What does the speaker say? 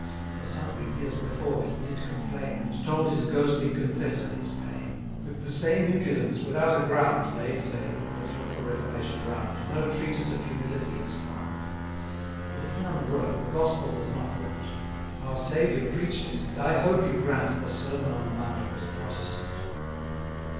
For sundry years before he did complain, 210 And told his ghostly confessor his pain. With the same impudence without a ground, They say, that look the Reformation round, No Treatise of Humility is found. But if none were, the gospel does not want; Our Saviour preach'd it, and I hope you grant, The Sermon on the Mount was Protestant.